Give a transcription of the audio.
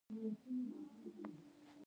سود ورکوي؟ نه، حرام ده